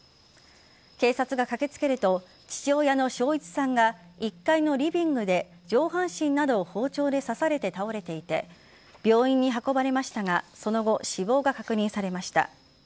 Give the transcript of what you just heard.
警察が駆け付けると父親の松一さんが１階のリビングで上半身などを包丁で刺されて倒れていて病院に運ばれましたがその後死亡が確認されました。